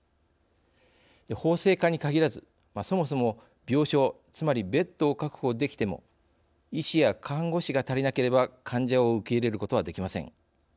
法制化に限らずそもそも病床つまりベッドを確保できても医師や看護師が足りなければ患者を受け入れることはできません。